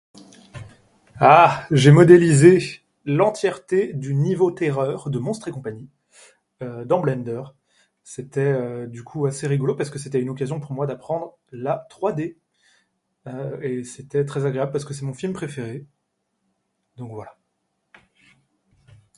"Ha ! J'ai modélisé l'entièreté du niveau terreur de ""Monstres et compagnie"" dans Blender. C'était, du coup, assez rigolo parce que c'était une occasion pour moi d'apprendre la 3D. Et c'était très agréable parce que c'est mon film préféré. Donc voilà."